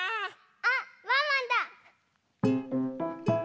あっワンワンだ！